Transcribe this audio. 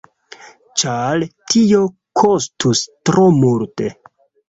Ĉar tio kostus tro multe.